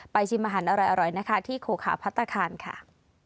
ไปชิมอาหารอะไรอร่อยนะคะที่โคขาพัตตาคานค่ะ